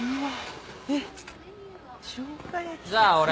じゃあ俺